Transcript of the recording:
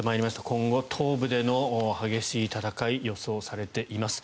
今後東部での激しい戦い予想されています。